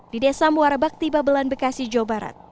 di desa muarabak tiba belan bekasi jawa barat